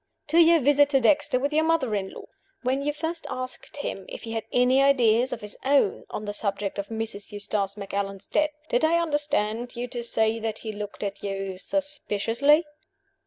"To your visit to Dexter with your mother in law. When you first asked him if he had any ideas of his own on the subject of Mrs. Eustace Macallan's death, did I understand you to say that he looked at you suspiciously?"